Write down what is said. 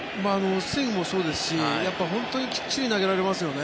スイングもそうですし本当にきっちり投げられますよね